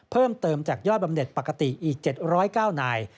เพิ่มเติมจากยอดบำเน็ตปกติอีก๗๐๙นาย